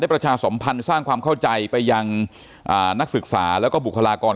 ประชาสมพันธ์สร้างความเข้าใจไปยังนักศึกษาแล้วก็บุคลากร